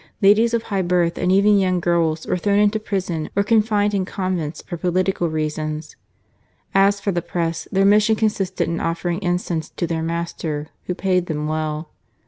Ladies of high birth, and even THE RE AWAKING OF THE NATION. 65 young girls, were thrown into prison or confined in convents for political reasons. As for the Press, their mission consisted in offer ing incense to their master, who paid them well.